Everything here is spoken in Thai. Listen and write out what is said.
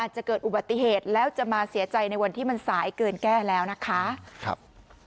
จะเกิดอุบัติเหตุแล้วจะมาเสียใจในวันที่มันสายเกินแก้แล้วนะคะครับ